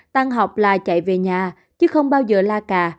tăng học là chạy về nhà chứ không bao giờ la cà